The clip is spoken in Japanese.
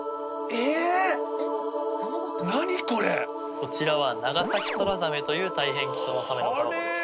こちらはナガサキトラザメという大変貴重なサメの卵です